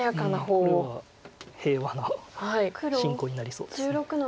これは平和な進行になりそうです。